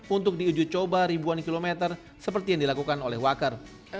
untuk diuji coba ribuan kilometer seperti yang dilakukan oleh waker